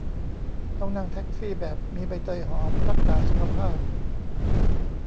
ต้องนั่งแท็กซี่แบบมีใบเตยหอม รักษาสุขภาพ